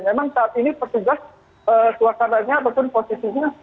memang saat ini petugas suasananya ataupun posisinya